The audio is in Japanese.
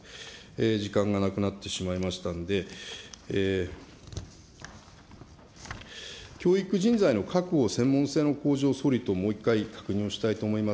時間がなくなってしまいましたんで、教育人材の確保、専門性の向上を総理ともう一回確認をしたいと思います。